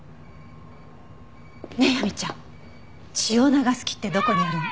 ねえ亜美ちゃん血を流す木ってどこにあるの？